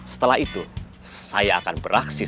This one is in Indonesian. setelah itu saya akan beraksi